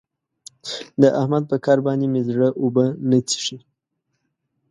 د احمد په کار باندې مې زړه اوبه نه څښي.